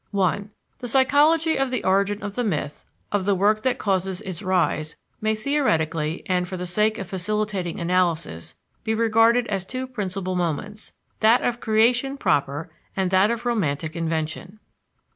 I The psychology of the origin of the myth, of the work that causes its rise, may theoretically, and for the sake of facilitating analysis, be regarded as two principal moments that of creation proper, and that of romantic invention.